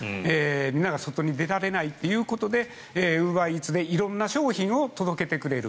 みんなが外に出られないということでウーバーイーツで色んな商品を届けてくれる。